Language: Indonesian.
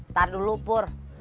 ntar dulu pur